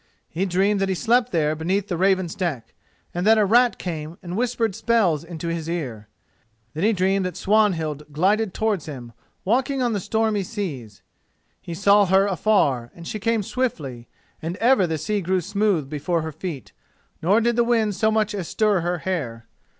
He dreamed that he slept there beneath the Raven's deck, and that a rat came and whispered spells into his ear. Then he dreamed that Swanhild glided towards him, walking on the stormy seas. He saw her afar, and she came swiftly, and ever the sea grew smooth before her feet, nor did the wind so much as stir her hair.